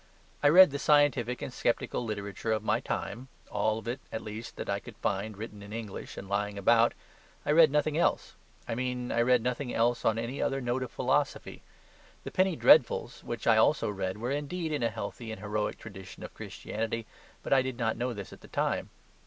I read the scientific and sceptical literature of my time all of it, at least, that I could find written in English and lying about; and I read nothing else; I mean I read nothing else on any other note of philosophy. The penny dreadfuls which I also read were indeed in a healthy and heroic tradition of Christianity; but I did not know this at the time.